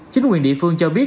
chính quyền địa phương cho biết